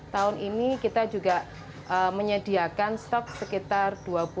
tahun ini kita juga menyediakan stok sekitar dua puluh